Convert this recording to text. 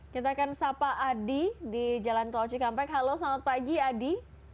kita akan sapa adi di jalan tol cikampek halo selamat pagi adi